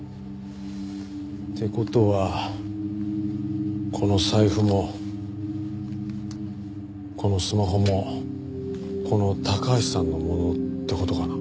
って事はこの財布もこのスマホもこの高橋さんのものって事かな？